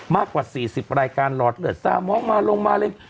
มากกว่า๔๐รายการหลอดเลือดซามองมาลงมาเลย